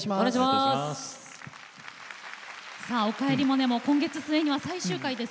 「おかえりモネ」も今月末、最終回です。